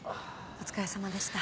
お疲れさまでした。